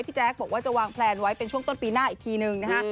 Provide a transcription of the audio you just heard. แจ๊คบอกว่าจะวางแพลนไว้เป็นช่วงต้นปีหน้าอีกทีนึงนะฮะ